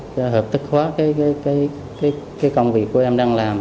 để hợp tức hóa cái công việc của em đang làm